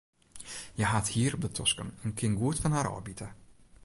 Hja hat hier op de tosken en kin goed fan har ôfbite.